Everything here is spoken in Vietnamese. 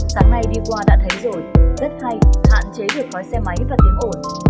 sáng nay đi qua đã thấy rồi rất hay hạn chế được khói xe máy và tiếng ổn